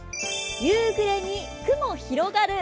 夕暮れに、雲広がる。